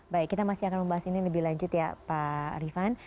baik kita masih akan membahas ini lebih lanjut ya pak rifan